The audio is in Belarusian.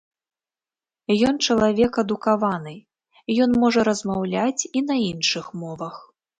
Ён чалавек адукаваны, ён можа размаўляць і на іншых мовах.